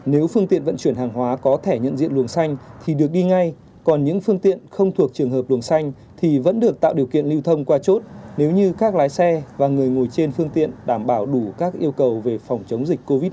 nếu phương tiện vận chuyển hàng hóa có thẻ nhận diện luồng xanh thì được đi ngay còn những phương tiện không thuộc trường hợp luồng xanh thì vẫn được tạo điều kiện lưu thông qua chốt nếu như các lái xe và người ngồi trên phương tiện đảm bảo đủ các yêu cầu về phòng chống dịch covid một mươi chín